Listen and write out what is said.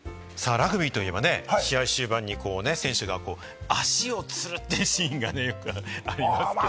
ラグビーといえばね、試合終盤に選手が足をつるというシーンがね、よくありますけれどもね。